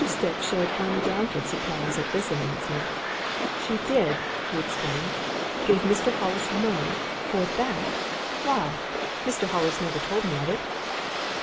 Stipp showed undoubted surprise at this announcement. "She did!" he exclaimed. "Gave Mr. Hollis money for that? Why! Mr. Hollis never told me of it!"